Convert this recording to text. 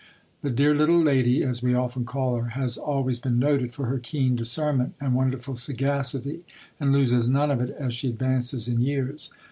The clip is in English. "The dear little lady," as we often call her, has always been noted for her keen discernment and wonderful sagacity and loses none of it as she advances in years.